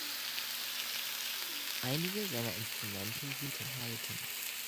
Einige seiner Instrumente sind erhalten.